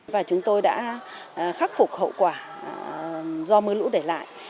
và chúng tôi đã khắc phục hậu quả do mưa lũ để lại